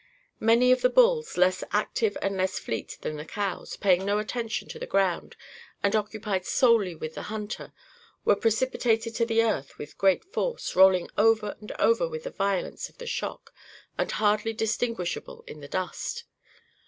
Many of the bulls, less active and less fleet than the cows, paying no attention to the ground, and occupied solely with the hunter were precipitated to the earth with great force, rolling over and over with the violence of the shock, and hardly distinguishable in the dust.